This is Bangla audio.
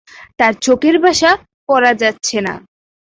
তার চোখের ভাষা পড়া যাচ্ছে না।